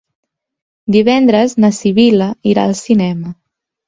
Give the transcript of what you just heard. Divendres na Sibil·la irà al cinema.